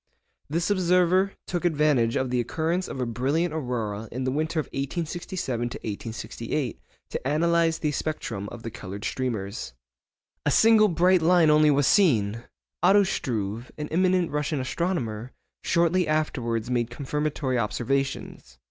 This observer took advantage of the occurrence of a brilliant aurora in the winter of 1867 68 to analyse the spectrum of the coloured streamers. A single bright line only was seen! Otto Struve, an eminent Russian astronomer, shortly afterwards made confirmatory observations.